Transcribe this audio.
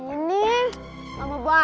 ini sama bapaknya